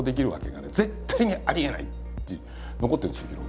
絶対にありえない」って残ってるんですよ